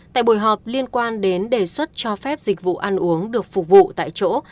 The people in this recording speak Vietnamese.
tại buổi họp liên quan đến đề xuất cho phép dịch vụ ăn uống được phục vụ tại chỗ